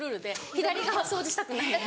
左側掃除したくないんで。